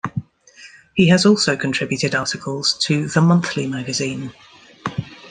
He has also contributed articles to "The Monthly" magazine.